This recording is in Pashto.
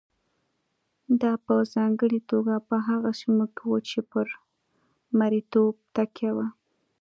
دا په ځانګړې توګه په هغو سیمو کې وه چې پر مریتوب تکیه وه.